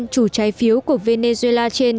bảy mươi chủ trái phiếu của venezuela trên